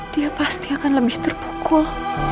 dia pasti akan lebih terpukul